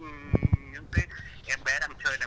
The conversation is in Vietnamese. những cái em bé đang chơi này